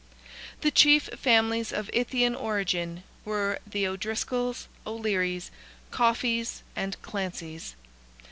The chief families of Ithian origin were the O'Driscolls, O'Learys, Coffeys, and Clancys.